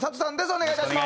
お願いいたします！